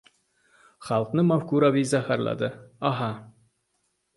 Xalqni mafkuraviy zaharladi, aha.